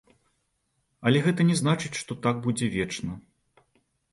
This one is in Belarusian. Але гэта не значыць, што так будзе вечна.